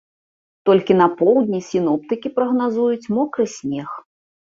Толькі на поўдні сіноптыкі прагназуюць мокры снег.